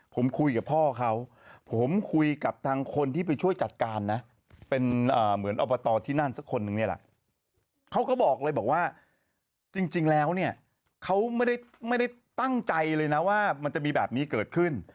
ผมคุยกับพ่อเขาผมคุยกับทางคนที่ไปช่วยจัดการนะเป็นเหมือนอบตที่นั่นสักคนนึงนี่แหละเขาก็บอกเลยบอกว่าจริงแล้วเนี่ยเขาไม่ได้ตั้งใจเลยนะว่ามันจะมีแบบนี้เกิดขึ้น